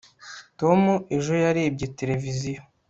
tom ejo yarebye televiziyo